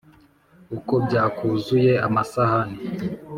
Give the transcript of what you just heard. Ukwo byakuzuye amasahani!